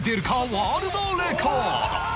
ワールドレコード